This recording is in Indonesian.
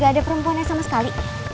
gak ada perempuan yang sama sekali